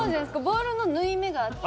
ボールの縫い目があって。